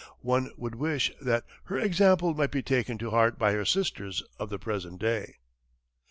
One would wish that her example might be taken to heart by her sisters of the present day.